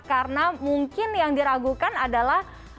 karena mungkin yang diragukan adalah